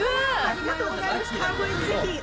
ありがとうございます。